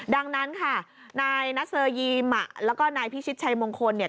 ดังนั้นค่ะนายนัสเซอร์ยีมะแล้วก็นายพิชิตชัยมงคลเนี่ย